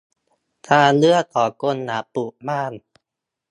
ทางเลือกของคนอยากปลูกบ้าน